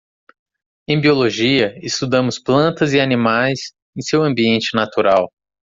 Em biologia, estudamos plantas e animais em seu ambiente natural.